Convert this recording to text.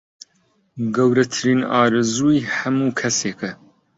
گەورەترین ئارەزووی هەموو کەسێکە